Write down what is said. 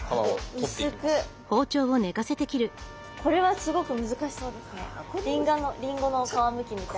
これは難しそうですね。